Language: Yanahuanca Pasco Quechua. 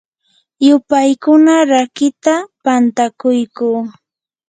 yupaykuna rakiita pantakuyquu.